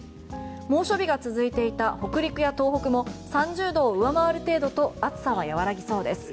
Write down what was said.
猛暑日が続いていた北陸や東北も３０度を上回る程度と暑さは和らぎそうです。